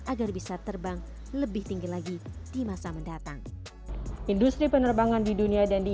agar bisa terbang lebih tinggi lagi di masa mendatang industri penerbangan di dunia dan di